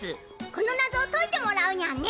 この謎を解いてもらうニャンね。